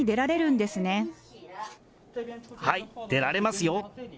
はい、出られますよ。